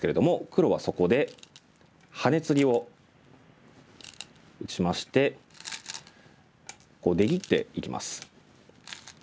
黒はそこでハネツギを打ちまして出切っていきます。